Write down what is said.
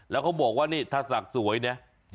แล้วเขาบอกว่านี่ถ้าศักดิ์สวยนะ